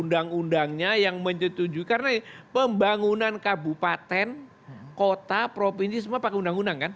undang undangnya yang menyetujui karena pembangunan kabupaten kota provinsi semua pakai undang undang kan